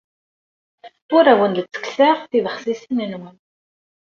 Ur awen-d-ttekkseɣ tibexsisin-nwen.